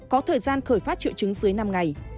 có thời gian khởi phát triệu chứng dưới năm ngày